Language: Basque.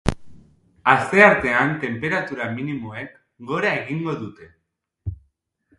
Asteartean tenperatura minimoek gora egingo dute.